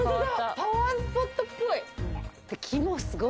パワースポットっぽい。